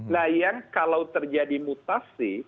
nah yang kalau terjadi mutasi